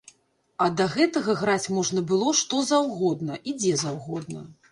А да гэтага граць можна было што заўгодна і дзе заўгодна.